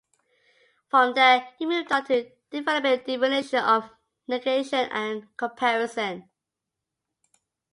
From there he moved on to developing a definition of negation and comparison.